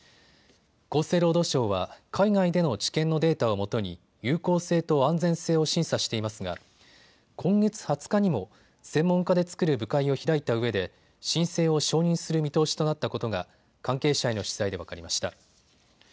厚生労働省は海外での治験のデータを基に有効性と安全性を審査していますが今月２０日にも専門家で作る部会を開いたうえで申請を承認する見通しとなったことが関係者への取材で分かりました。